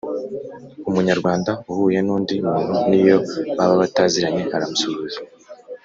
Umunyarwanda uhuye n'undi muntu n'iyo baba bataziranye aramusuhuza,